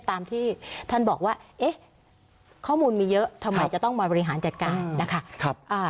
ตามที่ท่านบอกว่าเอ๊ะข้อมูลมีเยอะทำไมจะต้องมาบริหารจัดการนะคะ